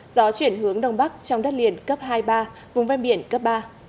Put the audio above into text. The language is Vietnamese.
gió chuyển hướng đông bắc trong đất liền cấp hai ba vùng ven biển cấp ba